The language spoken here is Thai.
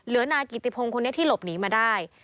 นายกิติพงศ์คนนี้ที่หลบหนีมาได้